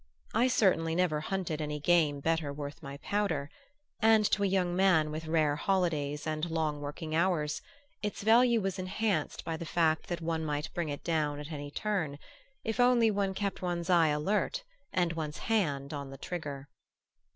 I certainly never hunted any game better worth my powder; and to a young man with rare holidays and long working hours, its value was enhanced by the fact that one might bring it down at any turn, if only one kept one's eye alert and one's hand on the trigger.